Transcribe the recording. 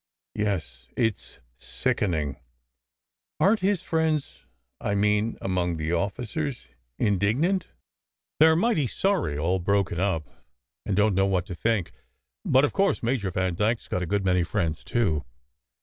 "Yes. It s sickening." "Aren t his friends I mean among the officers in dignant?" 146 SECRET HISTORY "They re mighty sorry, all broken up, and don t know what to think. But, of course, Major Vandyke s got a good many friends, too.